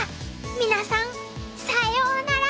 皆さんさようなら！